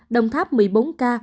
đồng tháp một mươi bốn ca